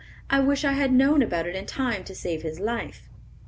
I wish I had known about it in time to save his life!"